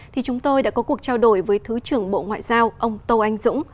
thì chúng tôi đã có cuộc trao đổi với thứ trưởng bộ ngoại giao ông tâu anh dũng